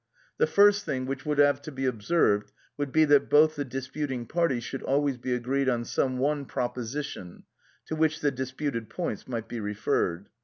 The first thing which would have to be observed would be that both the disputing parties should always be agreed on some one proposition, to which the disputed points might be referred.